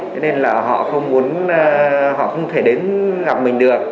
cho nên là họ không muốn họ không thể đến gặp mình được